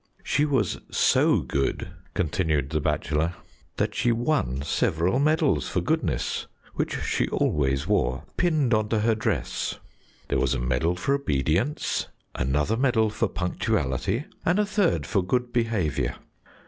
"She was so good," continued the bachelor, "that she won several medals for goodness, which she always wore, pinned on to her dress. There was a medal for obedience, another medal for punctuality, and a third for good behaviour.